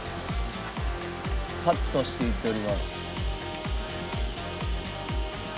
カットしていっております。